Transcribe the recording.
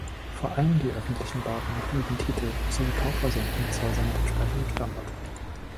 Vor allem die öffentlichen Bauten erhielten Titel, sowie Kaufhäuser und Mietshäuser mit entsprechendem Standard.